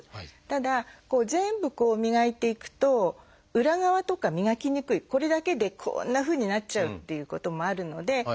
ただ全部磨いていくと裏側とか磨きにくいこれだけでこんなふうになっちゃうっていうこともあるので。